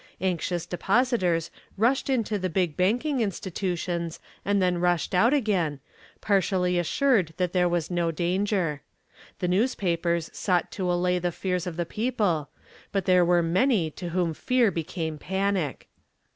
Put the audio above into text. Anxious depositors rushed into the big banking institutions and then rushed out again, partially assured that there was no danger. The newspapers sought to allay the fears of the people, but there were many to whom fear became panic.